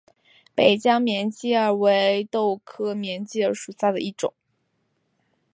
北疆锦鸡儿为豆科锦鸡儿属下的一个种。